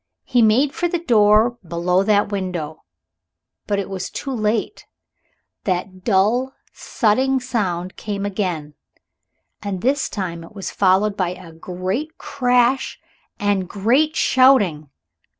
He made for the door below that window. But it was too late. That dull, thudding sound came again, and this time it was followed by a great crash and a great shouting.